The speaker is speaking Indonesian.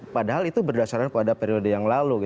padahal itu berdasarkan pada periode yang lalu